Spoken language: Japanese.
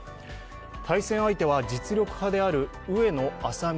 対戦相手は実力派である上野愛咲美